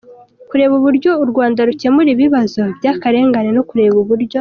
kureba uburyo u Rwanda rukemura ibibazo by‟akarengane no kureba uburyo